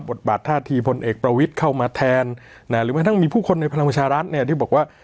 บทบาทท่าทีพลเอกประวิทย์เข้ามาแทนหรือแม้ทั้งมีผู้คนในพลังประชารัฐเนี่ยที่บอกว่า